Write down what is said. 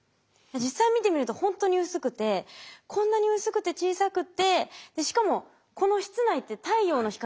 実際見てみるとほんとに薄くてこんなに薄くて小さくてしかもこの室内って太陽の光一切ないじゃないですか。